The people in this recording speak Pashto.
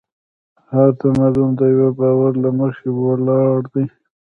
هر تمدن د یوه باور له مخې ولاړ دی.